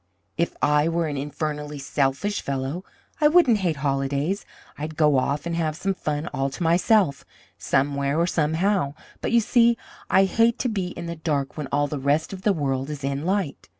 If I were an infernally selfish fellow, I wouldn't hate holidays. I'd go off and have some fun all to myself, somewhere or somehow. But, you see, I hate to be in the dark when all the rest of the world is in light.